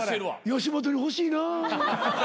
吉本に欲しいなぁ。